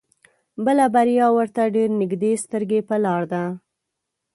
بله بريا ورته ډېر نيږدې سترګې په لار ده.